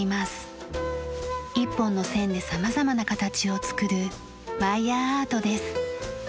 一本の線で様々な形を作るワイヤーアートです。